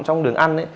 trong đường xương